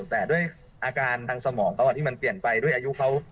แต่ด้วยอาการทางสมองเขาที่มันเปลี่ยนไปด้วยอายุเขา